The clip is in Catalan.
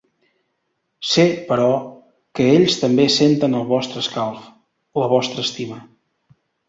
Sé, però, que ells també senten el vostre escalf, la vostra estima.